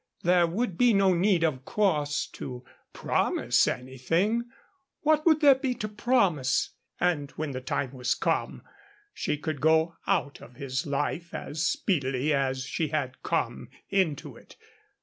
There would be no need, of course, to promise anything (what would there be to promise?), and, when the time was come, she could go out of his life as speedily as she had come into it.